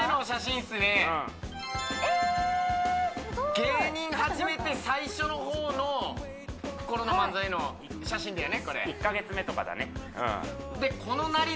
芸人始めて最初の方の頃の漫才の写真だよね